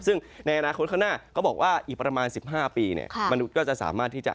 ซึ่งในอนาคตข้างหน้าเขาบอกว่าอีกประมาณ๑๕ปีเนี่ยมนุษย์ก็จะสามารถที่จะ